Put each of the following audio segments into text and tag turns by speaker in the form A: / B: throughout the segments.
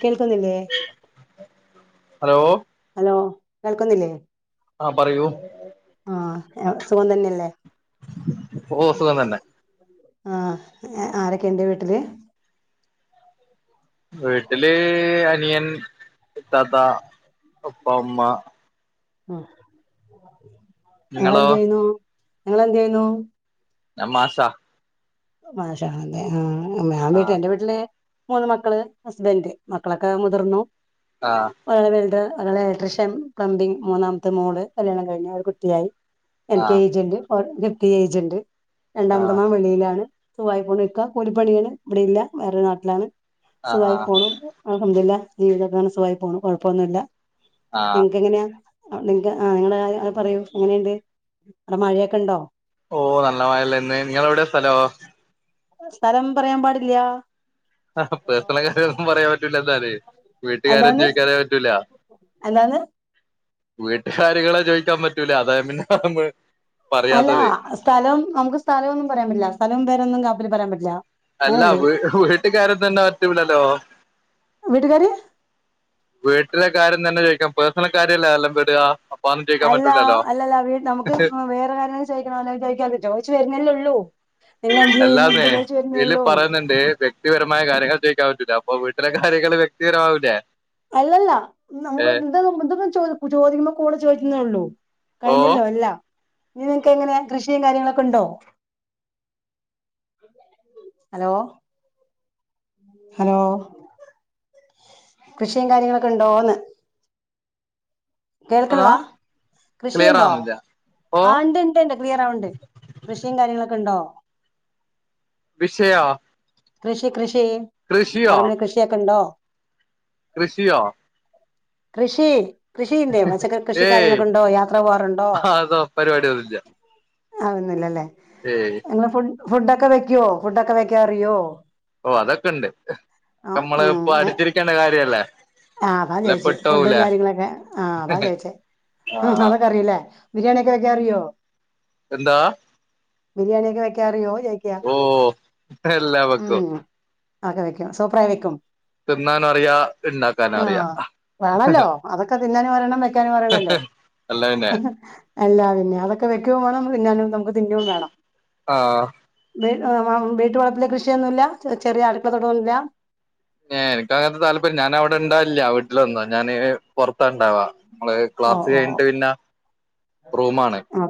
A: കേൾക്കുന്നില്ലേ
B: hello
A: hello കേൾക്കുന്നില്ലേ
B: ആ പറയൂ
A: ആ എ സുഖം തന്നെയല്ലേ?
B: ഓ സുഖം തന്നെ.
A: ആ ആരൊക്കെ ഇണ്ട് വീട്ടില്?
B: വീട്ടില് അനിയൻ ത്താത ഉപ്പ ഉമ്മ. നിങ്ങളോ
A: ങ്ങളെന്ത് ചെയ്യുന്നു നിങ്ങളെന്തെയ്യുന്നു?
B: ഞ മാസ
A: മാഷാണല്ലേ ആ ഞാൻ വീട്ട് എന്റെ വീട്ടില് മൂന്ന് മക്കള് ഹസ്ബന്റ് മക്കളൊക്കെ മുതിർന്നു
B: ആ
A: വ വരുടെ അകളെ ഇലക്ട്രിഷ്യൻ പ്ലംബിങ് മുന്നാമത്തെ മോള് കല്യാണം കഴിഞ്ഞ് ഒരു കുട്ടിയായി.
B: ആ
A: എനിക്ക്
B: ആ
A: ഏജന്റ് നിഫ്തി ഏജന്റ് രണ്ടാമതമാ വെളിയിലാണ്. സവായി പോണ് വക്ക കൂലിപ്പണിയാണ് ഇവിടെയില്ല വേറെ നാട്ടിലാണ്.
B: ആ ആ
A: സുഖായി പോണു അൽഹംദുലില്ല ജീവിതക്കാണ് സുഖായി പോണു കൊഴപ്പൊന്നുല്ല
B: ആ
A: എങ്കെങ്ങനെയാ അടെ നിങ്ങക്ക് ആ നിങ്ങള് അത് പറയൂ എങ്ങനെണ്ട് അവിടെ മഴയൊക്കെ ഉണ്ടോ?
B: ഓ നല്ല മഴല്ലേന്ന് നിങ്ങളെവിടെ സലോ?
A: സ്ഥലം പറയാൻ പാടില്ല
B: ആ പേഴ്സണൽ കാര്യങ്ങളൊന്നും പറയാൻ പറ്റില്ല ന്താലേ വീട്ടുകാരും
A: എന്താണ്
B: ചോയിക്കാനേ പറ്റൂല.
A: എന്താണ്
B: വീട്ടുകാര്യങ്ങള് ചോദിക്കാൻ പറ്റൂല അതായ പിന്നെ [unintelligible]
A: അല്ല
B: പറയാത്തത്
A: സ്ഥലം നമുക്ക് സ്ഥലമൊന്നും പറയാൻ പറ്റില്ല സ്ഥലം പേരൊന്നും കാപ്പിലിൽ പറയാൻ പറ്റില്ല
B: അല്ല
A: അങ്ങനെയുണ്ട്
B: വീ വീട്ടുകാരെ തന്നെ പറ്റൂല്ലല്ലോ
A: വീട്ടുകാര്
B: വീട്ടിലെ കാര്യം തന്നെ ചോയിക്കാം പേഴ്സണൽ കാര്യംല്ലേ എല്ലാം വീട.
A: അല്ല അല്ലല്ല നമുക്ക് വേറെ കാര്യങ്ങും ചോയിക്കണല്ലങ്ക ചോക്കാൻ പറ്റോ കൊയ്ച്ച് വരുന്നല്ലേള്ളൂ
B: അല്ലാതെ ഇതില് പറയുന്നുണ്ട് വ്യക്തിപരമായ കാര്യങ്ങൾ ചൊയ്ക്ക റ്റുല അപ്പൊ വീട്ടിലെ കാര്യങ്ങള് വ്യക്തികരമാവില്ലേ
A: അല്ലല്ല നമ്മ [unintelligible] ചോദിക്കുമ്പോ കൂടെ ചോദിക്കുന്നേ ഉള്ളൂ.
B: ഓ
A: കഴിഞ്ഞല്ലോ എല്ല ഇനി നിനക്ക് എങ്ങനെ കൃഷിയും കാര്യങ്ങളൊക്കെ ഉണ്ടോ ഹലോ ഹലോ കൃഷിയും കാര്യങ്ങളൊക്കെ ഉണ്ടോന്ന്? കേൾക്ക്ണില്ല
B: ന്നാ ക്ലിയർ
A: കൃഷിയുണ്ടോ?
B: ആവുന്നില്ല ഓ
A: ആ ഇണ്ട് ണ്ട് ണ്ട് കൃഷിയും കാര്യങ്ങളൊക്കെ ഉണ്ടോ?
B: വിഷയ
A: കൃഷി കൃഷി പറമ്പില് കൃഷിയൊക്കെ ഉണ്ടോ?
B: കൃഷിയോ?
A: കൃഷി കൃഷിന്റെ പച്ചക്ക കൃഷി
B: ഏയ്
A: കാര്യങ്ങൊക്ക ഉണ്ടോ യാത്ര പോവാറുണ്ടോ?
B: അതോ പരിപാടി ഒന്നുല്ല
A: ആവുന്നില്ലല്ലേ
B: ഏയ്
A: അങ്ങനെ ഫു ഫുഡൊക്കെ വെക്കുവോ ഫുഡൊക്കെ വെക്കാ അറിയോ?
B: ഓ അതൊക്കെ ണ്ട്
A: ആ
B: അക്കെ മ്മള് പ്പൊ
A: ഏ
B: പടിച്ചിരിക്കേണ്ട കാര്യല്ലേ?
A: ആ അതാ
B: അല്ലെ
A: ചോയിച്ചേ ഫുഡും
B: പെട്ടോവൂലേ
A: കാര്യങ്ങളൊക്കെ ആഹ് അതാ ചോയിച്ചേ
B: ആ
A: ഹ ഹഅതൊക്കെ അറിയുല്ലേ? ബിരിയാണിയ ഒക്കെ വെക്കാ അറിയോ
B: എന്താ
A: ബിരിയാണിയൊക്കെ വെക്കാ അറിയോ ചോയിക്ക
B: ഓ എല്ലാ വെക്കും
A: ഉം ആക്കെ വെക്കും സൂപ്രായി വെക്കും.
B: തിന്നാനു അറിയാ. ഇണ്ടാക്കാനും അറിയാ
A: ആഹ് വേണല്ലോ അതൊക്കെ തിന്നാനും അറിണം വെക്കാനും അറിയണല്ലോ
B: അല്ല പിന്നെ
A: ആ ഹ എല്ലാ പിന്നേ അതൊക്കെ വെക്കു വേണം തിന്നാനും നമുക്ക് തിന്നും വേണം
B: ആഹ്
A: വീട്ടുവളപ്പിലെ കൃഷിയൊന്നുല്ല ചെറിയ അടുക്കള തൊട്ടന്നുല്ല
B: ഞെ എനിക്കങ്ങൻത്തെ താല്പര്യം ഞാൻ അവിടെ ഇണ്ടാവില്ല വീട്ടിൽ വന്നോ ഞാന് പൊറത്താ ഉണ്ടാവാ നമ്മള്
A: ഓ
B: ക്ലാസ്
A: ഓ
B: കഴിഞ്ഞിട്ട് പിന്നെ റൂമാണ്
A: ഓ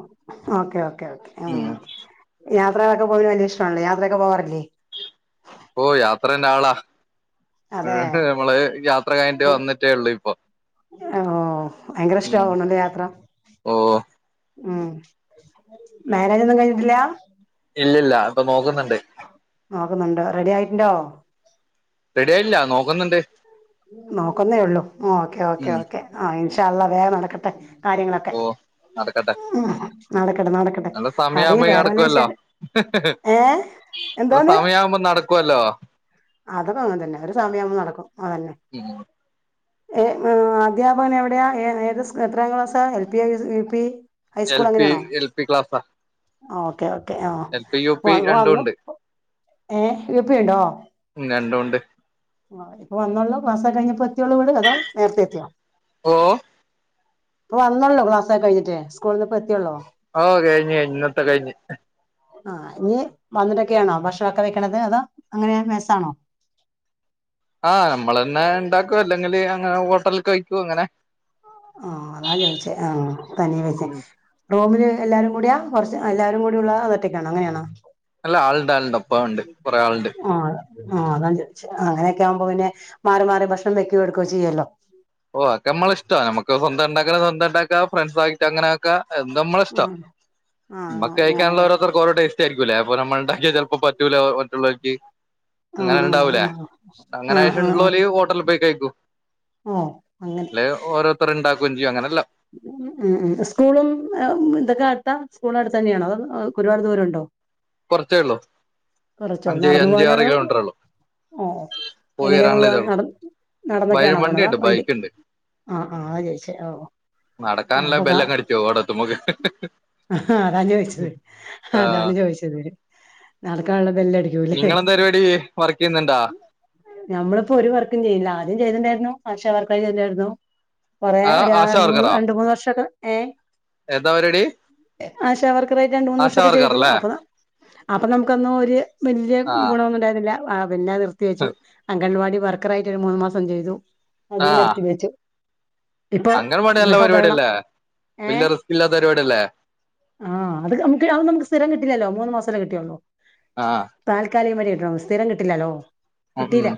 A: ഓക്കെ ഓക്കെ ഓക്കെ
B: ഉം
A: മ് യാത്രകളൊക്കെ പോകുന്നതിന് വലിയ ഇഷ്ടല്ലേ യാത്രയൊക്കെ പോവാറില്ലേ
B: ഓ യാത്രേന്റെ ആളാ
A: അതെ
B: നമ്മള് യാത്ര കഴിഞ്ഞിട്ട് വന്നിട്ടേ ഉള്ളു ഇപ്പൊ.
A: ഓ ഭയങ്കര ഇഷ്ടാ
B: ഉം
A: തോന്നുന്നുല്ലേ യാത്ര?
B: ഓ
A: ഉം മാര്യേജ് ഒന്നും കഴിഞ്ഞിട്ടില്ല?
B: ഇല്ല ഇല്ല ഇപ്പൊ നോക്കുന്നുണ്ട്.
A: നോക്കുന്നുണ്ടോ റെഡി ആയിട്ടുണ്ടോ?
B: റെഡിയായില്ല നോക്ക
A: നോക്കുന്നേ ഉള്ളൂ ഓക്കെ ഓക്കേ
B: ഉം
A: ഓക്കേ ആ ഇൻഷാ അല്ലാഹ് വേഗം നടക്കട്ടെ. കാര്യങ്ങളൊക്കെ.
B: ഓ നടക്കട്ടെ.
A: ഉം നടക്കട്ടെ നടക്കട്ടെ
B: നല്ല
A: പറയ്
B: സമയാവുമ്പോ
A: വേറെ വല്ല വിശേ
B: നടക്കല്ലോ.
A: ഏഹ്
B: അത്
A: എന്താണ്
B: സമയാവുമ്പോ നടക്കുവല്ലോ.
A: അതൊക്കെ അങ്ങനെ തന്നെ ഒരു സമയാവുമ്പോ നടക്കും അതന്നെ.
B: ഉം
A: ഏ അധ്യാപകൻ എവിടെയാ ഏത് സ് എത്രാം ക്ലാസാ L P U P?
B: L
A: high school
B: P
A: അങ്ങനെയാണോ
B: എൽ പി ക്ലാസ.
A: ഓക്കെ ഓക്കെ ആ
B: രണ്ടും
A: വന്നു
B: ഉണ്ട്
A: ഏ യു പി ഇണ്ടോ?
B: രണ്ടും ഉണ്ട്
A: ആ ഇപ്പൊ വന്നോളൂ ക്ലാസ്സൊക്കെ കഴിഞ്ഞ് ഇപ്പോ എത്തിയുള്ളൂ വീട് അതോ നേരത്തെ എത്തിയോ?
B: ഓ?
A: ഇപ്പ വന്നോള്ളൂ ക്ലാസ് ഒക്കെ കഴിഞ്ഞിട്ട് സ്കൂളിൽ നിന്ന് ഇപ്പോ എത്തിയുള്ളൂ?
B: ഓ കഴിഞ്ഞ് കഴിഞ്ഞ് ഇന്നത്ത കഴിഞ്ഞ്.
A: ആ ഇനി വന്നിട്ടൊക്കെയാണോ ഭക്ഷണൊക്കെ വെക്കണത് അതോ അങ്ങനെ മെസ്സാണോ?
B: ആഹ് നമ്മൾ തന്നെ ഇണ്ടാക്കും അല്ലെങ്കില് അങ്ങനെ ഹോട്ടലിൽ കഴിക്കും അങ്ങനെ
A: ആ അതാ ചോദിച്ചേ ആ തനിയെ വെച്ച റൂമില് എല്ലാരും കൂടെയാ കുറച്ച് എല്ലാരും കൂടി ഉള്ള അതോ ഒറ്റക്കാണൊ അങ്ങനെയാണോ?
B: അല്ല ആള്ണ്ട് ആള്ണ്ട് ഒപ്പം ഒണ്ട് കുറെ ആള്ണ്ട്.
A: ആഹ് ആഹ് അങ്ങനെയൊക്കെ ആവുമ്പോ പിന്നെ മാറി മാറി ഭക്ഷണം വെക്കോ എടുക്കുവോ ചെയ്യല്ലോ.
B: ഓ ഒക്കെ മ്മളെ ഇഷ്ടാ നമുക്ക് സ്വന്തം ഇണ്ടാക്കണെ സ്വന്തം ഇണ്ടാക്കാ ഫ്രണ്ട്സ് ആയിട്ട് അങ്ങനാക്കാ നമ്മളെ ഇഷ്ടം
A: ഉം ആഹ്
B: നമ്മക്ക് കഴിക്കാനുള്ള
A: അങ്ങനെല്ലേ
B: ഓരോതർക്ക് ഓരോ ടേസ്റ്റ് ആരിക്കൂല്ലേ? അപ്പൊ നമ്മൾ ഉണ്ടാക്കിയ ചിലപ്പോ പറ്റൂല മറ്റുള്ളവര്ക്ക് അങ്ങനെ
A: ആഹ്
B: ഉണ്ടാവൂലേ
A: ആഹ്
B: അങ്ങനെ
A: ആഹ്
B: ആശ്യം
A: ആഹ് ആഹ്
B: ഉള്ളോല് ഹോട്ടലിൽ പോയി കഴിക്കും.
A: ഓഹ് അങ്ങനെ
B: അല്ലെ ഓരോരുത്തർ ഇണ്ടാക്കയും ചെയ്യും അങ്ങനെല്ലാ
A: ഉം ഉം സ്കൂളും ഇതൊക്കെ അടുത്താ സ്കൂളും അടുത്ത് തന്നെയാണോ അതോ ഒരുപാട് ദൂരം ഉണ്ടോ?
B: കുറച്ചേ ഉള്ളൂ.
A: കുറച്ചുള്ളൂ നടന്നു പോവാനുള്ളത ഓ
B: പോയി
A: എങ്ങനെയാ
B: വരാനുള്ള
A: പോവ
B: ഇതേ ഒള്ളൂ
A: നട
B: വഴി
A: നടന്നൊക്കെയണൊ പോണ അതോ
B: വണ്ടിയുണ്ട്
A: വണ്ടി
B: ബൈക്ക്ണ്ട്
A: ആഹ് ആഹ് അതാ ചോയ്ച്ചേ ഓ.
B: നടക്കാനില്ല ബെല്ലോക്കെ അടിച്ചും ഓടത്തുമ്പക്ക്
A: ആ അതാണ് ചോദിച്ചത് അതാണ് ചോദിച്ചത് നടക്കാനുള്ള ബെല്ലടിക്കൂല്ലേ
B: നിങ്ങളെന്താ പരിപാടി വർക്ക് ചെയ്യുന്നുണ്ടാ?
A: ഞമ്മളിപ്പോ ഒരു വർക്കും ചെയ്യില്ല ആദ്യം ചെയ്തിണ്ടായിരുന്നു ആശ വർക്ക് ചെയ്തിണ്ടായിരുന്നു. കൊറെ
B: ആ
A: ഒരു
B: ആശാ
A: രണ്ട് മൂന്ന്
B: വർക്കറോ
A: രണ്ട് മൂന്ന് വർഷൊക്കെ ഏ
B: എന്താ പരിപാടി
A: ആശ വർക്കറായിട്ട് രണ്ട് മൂന്ന്
B: ആശാ
A: വർഷൊക്കെ
B: വർക്കർ
A: ചെയ്തു
B: അല്ലേ
A: അപ്പൊ ന അപ്പൊ നമുക്ക് വലിയ
B: ആ
A: ഗുണ ഒന്നും ഉണ്ടായിരുന്നില്ല പിന്നെ നിർത്തി വെച്ചു അങ്കൺവാടി വർക്കറായിട്ട് ഒരു മൂന്ന് മാസം ചെയ്തു അത്
B: ആ
A: നിർത്തിവെച്ചു. ഇപ്പൊ
B: അംഗൻവാടി നല്ല
A: ഗൃഹഭരണം
B: പരിപാടിയല്ലേ
A: ഏ?
B: വല്യ റിസ്ക് ഇല്ലാത്ത പരിപാടിയല്ലേ
A: ആഹ് അത്കനമുക്ക് അന്നുംമുക്ക് സ്ഥിരം കിട്ടില്ലല്ലോ മൂന്ന് മാസല്ലേ കിട്ടിയുള്ളൂ.
B: ആ
A: താൽക്കാലികം വരെ കിട്ടു സ്ഥിരം കിട്ടില്ലല്ലോ.
B: ആഹ
A: കിട്ടിയില്ല
B: ഉം.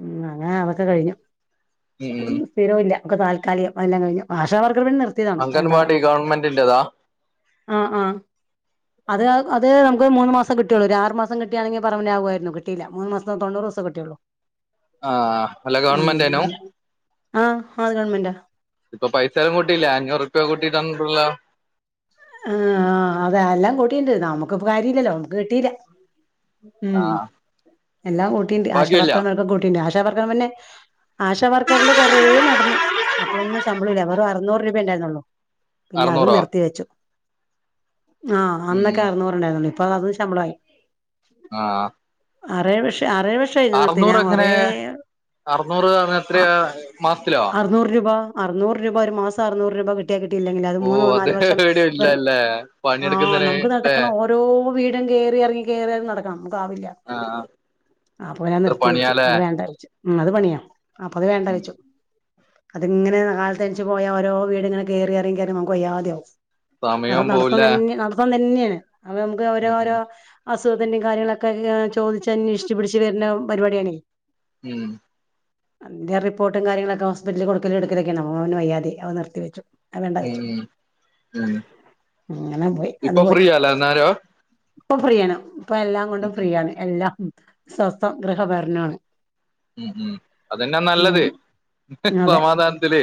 A: ഉം അങ്ങെനെ അതൊക്കെ കഴിഞ്ഞു
B: ഉം ഉം
A: ഒന്നും സ്ഥിരുല്ല. ക്ക താൽക്കാലികം അഎല്ലാം കഴിഞ്ഞു ആഷാവർ റിവിൻ നിർത്തിയതാണ്
B: അംഗൻവാടി
A: വേണ്ടവാണ്ട്
B: ഗവൺമെന്റിന്റെതാ
A: ആഹ ആ അത് നമുക്കൊരുമൂന്ന് മാസംകി ട്ടിയുള്ളൂ രാ ആറ് മാംസംകിട്ടിയാ ണെങ്കിൽ പറമെൻറ് ആകുരുന്നു. കിട്ടില്ല മൂന്ന്മാസത് തൊണ്ണൂറുസത് കിട്ടിയുള്ളൂ
B: ആഹ അല്ല
A: ഉം
B: ഗവൺമെൻ്റ്നോ
A: അതെ ആഹ് അത് ഗവൺമെന്റാ
B: ഇപ്പൊ പൈസലും കൂട്ടിയില്ലേ അഞ്ഞൂറുപ്യ കൂട്ടിതന്നുട്ടുള്ള
A: ആഹ അ അതെ ല്ലാം കൂട്ടിൻണ്ട് നമുക്ക്പ്പ കാര്യല്ലല്ലോ നമുക്ക് കിട്ടില്ല
B: ആ
A: ഉം എല്ലാം കൂട്ടിൻണ്ട്
B: ബാക്കിയില്ല
A: ആശവർക്കർ മാർകും കൂട്ടിൻണ്ട് ആശ വർക്കർ മ ന്നെ ആശ വർക്കർല്ലു കൊറേ നടന്നു അപ്പോളൊന്നും ശമ്പളുംല്ല വെറും അറുന്നൂറ് രൂപണ്ടായിരുന്നുള്ളോ പിന്നെ അതും
B: അറുന്നൂറോ
A: നിർത്തി വെച്ചു ആഹ്
B: ഉം
A: അന്നൊക്കെ
B: ഉം
A: അറുന്നൂറ് ണ്ടായിരുന്നുള്ളു ഇപ്പൊ അതും ശമ്പളായി
B: ആഹ് അ
A: അറേഴ് വഷ അറേഴ് വഷം ആയി ത് നിർത്തി ഞാൻ
B: എങ്ങനെ
A: കൊറേഏ
B: അറുന്നൂറ് പറഞ്ഞ
A: അ
B: എത്രയാ മാസത്തിലോ
A: അറുന്നൂറ് രൂപ അറുന്നൂറ് രൂപ ഒരു മാസം തം അറുന്നൂറ് രൂപ കിട്ടിയ കിട്ടയില്ലെ ങ്കിൽ അത്
B: ഓ
A: മൂന്നോ നാല് വഷം
B: എവിടെയും ഇല്ലല്ലേ
A: ആ്
B: പണിയെടുക്കുന്നതിന്
A: നമുക്ക്
B: ല്ലേ
A: നടക്കണം ഓരോ വീടും കേറിയറങ്ങി കേറിയറങ്ങി നടക്കണം കാവില്ല
B: ആ
A: അപ്പൊ വേം
B: എത്ര
A: നിർത്തി വെച്ചു
B: പണിയാലേ
A: അത് വേണ്ടാച്ചു ഉും അത് പണിയാ അപ്പൊ അത് വേണ്ട വെച്ച അതിങ്ങനെ കാൽത്ൻച്ച് പോയാ ഓരോ വീട്ങ്ങനെ കേറിയിറങ്ങി യിറങ്ങികേറി നമ്മുക്ക് വയ്യാതെയാവും നട
B: സമയവും
A: നടത്തം
B: പോവൂല
A: തന്നേ നടത്തം തന്നെയാണ് അപ്പൊ നമുക്ക് ഓരോ
B: ഉം
A: ഓരോ അസുഖത്തിൻ്റിം കാര്യങ്ങളൊക്കെ കെ ചോദിച്ചന്യശിച്ച് പിടിച്ച് വരുണ പരിപാടിയാണ്.
B: മൂം
A: അന്റെ റിപ്പോട്ടും കാര്യങ്ങളൊക്കെ ഹോസ്പിറ്റല് കൊടുക്കലും എടുക്കലൊക്കെന് ഓന് വയ്യാതയി അവൻ നിർത്തിവച്ചു.
B: ഉും ഉം
A: അങ്ങനെ പോയി അത്
B: ഇപ്പൊ
A: പോയി
B: ഫ്രീയാലാ ന്നാരോ
A: ഇപ്പൊ ഫ്രീയാണ്. ഇപ്പ എല്ലാം കൊണ്ടും ഫ്രീയണ്. എല്ലാം അും സ്വസ്ഥം ഗൃഹഭരണാണ്.
B: ഉം ഉം അതെന്നാ നല്ലത് ഹെ സമാധാനത്തില്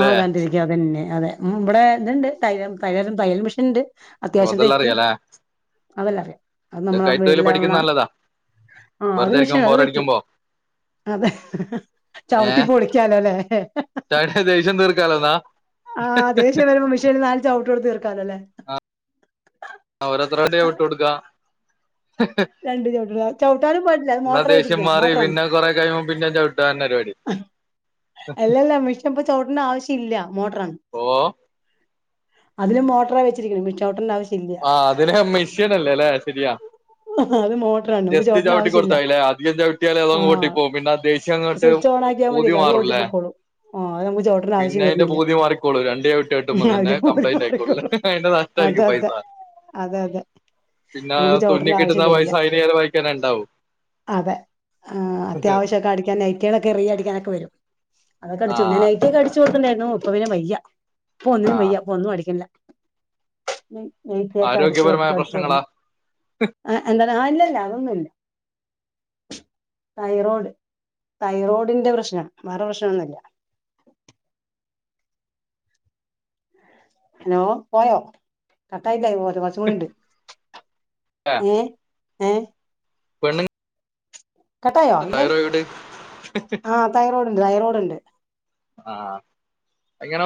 B: ല്ലെ
A: അതെ മ്മ് ഇവിടെ ഇതുണ്ട് തൈ തയലരം തയ്യൽ മെഷീൻ ഉണ്ട്.
B: ഓ തല്ലറിയാല്ലേ
A: അതെല്ലറിയാം അത് നമ്മളവീട്ടിലൊണം
B: നല്ലതാ
A: ആ അത് വിഷം
B: വെറുതെരിക്കുമ്പോ
A: അത് തയ്ക്കും
B: ബോറടിക്കുമ്പോ
A: അതെ ഹ് ഹ് ഹേ ചവിട്ടി പൊളിക്കാലോല്ലേ ഹേ ഹേ
B: ചയ്ൻ്റെ ദേഷ്യം തീർക്കാലോന്നാ
A: ആഹ് ദേഷ്യം വരുമ്പോ മിഷേന് നാൽചൗട്ട്ഒട്ത്ത് തീർക്കാലോല്ലേ
B: ഒതത്രന്തിയ വിട്ടോടുക്ക അഹ ഹാ
A: രണ്ട് ചവിട്ട് ചവിട്ടാനും പാടില്ല അത്
B: ന്നാ
A: മോട്ടറാ
B: ദേഷ്യം
A: വെച്ചിരിക്കുന്നത്
B: മാറി
A: മോട്ടറാണ്
B: പിന്നെ കൊറെ കഴിയുമ്പം പിന്നേം ചവിട്ടഅയന്നേ പരിപാടി
A: ഹേ അല്ലല്ല മിഷൻപ്പ ചൗട്ട്ണ ആവശ്യ ഇല്ല മോട്ട്രാണ്.
B: ഓ
A: അതില് മോട്ട്രാവെച്ചിരി കുന്നത്. മിഷ്ചൗട്ടണ്ടാവശ്യ
B: ആ അതിന് മിഷീന ലല്ലേ അല്ലെ ശെരിയാ
A: അത് മോട്ടറാണ് നമുക്ക്
B: ജസ്തി
A: ചോട്ടന്റെ
B: ചവിട്ടി
A: ആവശ്യമില്ല
B: കൊടുത്തായില്ലേ അധികം ചവിട്ടിയാല് അതോഓ ട്ടിപ്പോവും പിന്നെ അ ദേഷ്യം അങ്ങോട്ട്
A: വയികാ
B: പൂതി
A: വിടില്ല അത്
B: മാറൂല്ലേ
A: ഓട്ടിപോക്കോളും
B: പിന്നെ അയിന്റെ ബൂതി മാറിക്കോളു രണ്ടു ചൗട്ട്ചൗട്ടുമ്പോ തന്നെ
A: അതില് പോയി
B: കംപ്ലൈന്റ് ആയിക്കോളു
A: മാറിക്കോളും
B: ഐൻന്റെതാ
A: അതെ
B: ന്തായ്രിക്കും
A: അതെ
B: പൈസാ
A: അതെ തെ നമുക്ക് ചവിട്ടൽ ആവശ്യ
B: ന്നവയസ അയിന് ഏത വായിക്കാനണ്ട
A: അതെ ആ അത്യാവശ്യംഒക്കെ അടിക്കാൻ നൈറ്റിളൊക്കെ റിയ അടിക്കാനൊക്കെ വരും അതൊകടിച്ചുന്ന
B: ആഹ്
A: നൈറ്റിക്കെ അടിച്ചു കൊടുക്കുണ്ടായിരുന്നു ഇപ്പ പിന്നെ വയ്യ പോഒന്നിനും
B: ആഹ്
A: വയ്യ പോഒന്നുംഅടിക്കിണി ല്ല നൈറ്റിഒക്കെ
B: ആരോഗ്യപരമായ
A: അടിച്കൊടുത്ത് അടിച്
B: പ്രശ്നങ്ങളാ
A: കൊടുത്ത് ആ എന്ത ആ അല്ലല്ല തൈറോയ്ഡ് തൈറോയ്ഡിന്റെ പ്രശ്നം വേറെ പ്രശ്നമൊന്നുമല്ല ഉം ഹലോ പോയോ കാട്ടായില്ല പോ കുറച്ചും കൂടിണ്ട് ഏ ഏ
B: പെണ്ണ
A: കട്ടായോ ഇല്ല ആ തൈറോഡ്ണ്ട് തൈറോഡ ഉണ്ട്
B: ആ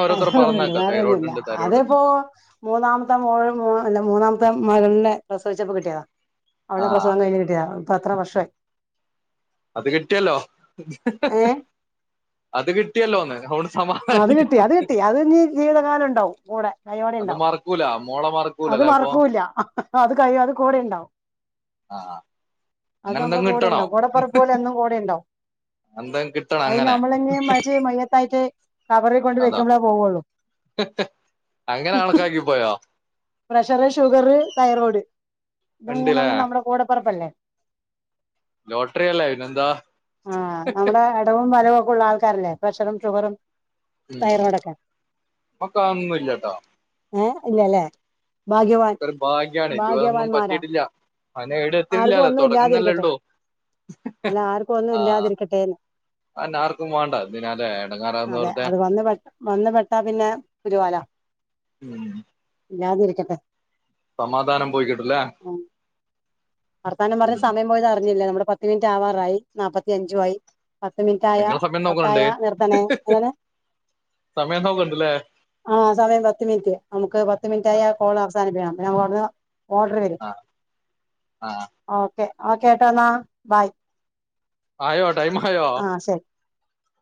A: തയറോഡ ഉണ്ട് വേറെ ഒന്നുല്ല
B: തൈറോയിഡ്
A: അതിപ്പോ
B: ഉണ്ട്
A: മൂന്നാമത്തെ മ അല്ല മൂന്നാമത്തെ മകളിനെ പ്രസവിച്ചപ്പോ കിട്ടിയതാ അവളടെ
B: ആഹ്
A: പ്രസവം കഴിഞ്ഞ് കിട്ടിയതാ ഇപ്പൊ അത്ര വർഷമായി
B: അത് കിട്ടിയല്ലോ
A: ഏ
B: അത് കിട്ടിയല്ലോ ഒന്ന് അവ
A: അത് കിട്ടി അത് കിട്ടി അത് ന ജീവിതകാലം ഉണ്ടാവും കൂടെ കയോടെ
B: അത്
A: ഉണ്ടാവും
B: മറക്കൂല മോളെ
A: അത്
B: മറക്കൂലല്ലേ അപ്പൊ
A: മറക്കൂല്ല അത് കഴിയും അത് കൂടെണ്ടാവും
B: ആ ആ
A: അത് നമ്മുടെ കൂടി ഉണ്ടാവ കൂടെപ്പറപ്പ പോലെ എന്നും കൂടെ ഉണ്ടും
B: എന്തെങ്കും കിട്ടണം
A: അത്
B: അങ്ങനെ
A: നമ്മളങ്ങെ മ മയത്തായിട്ട് കബറി കൊണ്ട്
B: അതാ
A: വയ്ക്കുമ്പളെ പോയുള്ളൂ
B: അങ്ങനെ ആൾക്കാക്കിപ്പോയോ
A: പ്രഷറ് ഷുഗർ തൈറോയിഡ് ഇത്
B: ഉണ്ടില്ലേ
A: മൂന്നൊന്ന നമ്മുടെ കൂടെപ്പറപ്പല്ലേ
B: ലോട്ടറി അല്ല ഇനെന്താ
A: ആ നമ്മുടെ ഇടവും വലവും ഒക്കെ ഉള്ള ആൾക്കാരല്ലേ പ്രഷറും ഷുഗറും
B: ഉം
A: തൈറോയ്ഡൊക്കെ
B: മക്ക അന്നുംല്ലട്ടോ
A: ഏഹ് ഇല്ലല്ലേ ഭാഗ്യവാൻ
B: അക്കൊരു ഭാഗ്യാണ് ഇതുവതൊന്നും
A: ഭാഗ്യവാന്മാരാ
B: പറ്റിട്ടില്ല അവന എട
A: ആർക്കും
B: എത്തില്ലല്ലോ
A: ഒന്നും ഇല്ലാതിരിക്കട്ടെ
B: തുടങ്ങുന്നല്ലേള്ളോ
A: അല്ല ആർക്ക
B: ആ ആന്ന ആർക്കും വേണ്ട നാല
A: അതെ അത് വന്ന് പെ വന്ന പെട്ടാ പിന്നെ പുലിവാല
B: ഉം
A: ത [unintelligible]
B: സമാധാനം പോയിക്കിട്ടില്ലേ
A: ഉം വർത്താനം പറഞ്ഞഞ് സമയം പോയത് അറിഞ്ഞില്ലേ നമ്മുടെ പത്ത് മിനിറ്റ് ആവാറായി നാപ്പത്തിയഞ്ചു ആയി പത്ത് മിനിറ്റായ
B: നിങ്ങള് സമയം
A: ഒത്തായ
B: നോക്കണുണ്ട്
A: നിർധന എങ്ങനെ
B: സമയം നോക്കണ്ടല്ലേ
A: ആ സമയം പത്ത് മിനിറ്റ് നമുക്ക് പത്ത് മിനിറ്റയി കോള് അവസാനിപ്പാം ഞവിടുന്ന്
B: ആ ആ
A: ഓക്കെ ആ കേട്ടോ എന്നാ ബൈ
B: ആയോ ടൈമ ആയോ